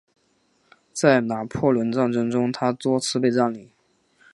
在拿破仑战争中它多次被占领。